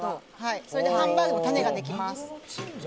それでハンバーグのタネができます。